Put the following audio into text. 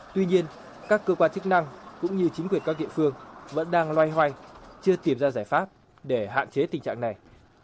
tuy nhiên các cơ quan chức năng cũng như chính quyền các địa phương vẫn đang loay hoay chưa tìm ra giải pháp để hạn chế tình trạng này